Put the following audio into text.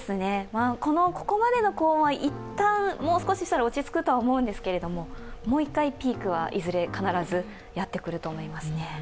ここまでの高温は一旦、もう少ししたら落ち着くとは思うんですけれどももう一回ピークはいずれ必ずやってくると思いますね。